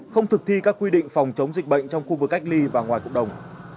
không thực thi các quy định phòng chống dịch bệnh trong khu vực cách ly và ngoài cộng đồng